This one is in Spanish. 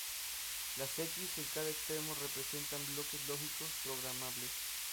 Las 'equis’ en cada extremo representan bloques lógicos programables.